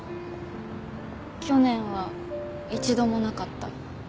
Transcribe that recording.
去年は１度もなかった。